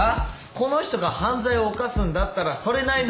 この人が犯罪を犯すんだったらそれなりの理由がある。